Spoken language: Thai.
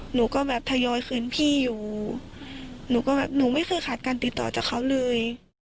หนูก็แบบทยอยคืนพี่อยู่หนูก็แบบหนูไม่เคยขาดการติดต่อจากเขาเลย